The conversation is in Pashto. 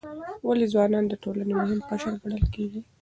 ولې ځوانان د ټولنې مهم قشر ګڼل کیږي؟